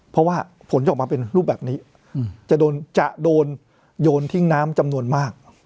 เพราะว่าผลจะออกมาเป็นรูปแบบนี้จะโดนโยนทิ้งน้ำจำนวนมาก